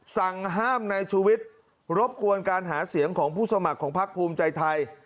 สั่งห้ามนายชูวิทย์รบกวนการหาเสียงของผู้สมัครของพักภูมิใจไทย